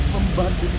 pembantu di nafi